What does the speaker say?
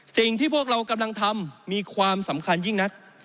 สิ่งที่พวกเรากำลังทำมีความสำคัญยิ่งนัก